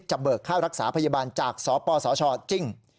เบิกค่ารักษาพยาบาลจากสปสชจริง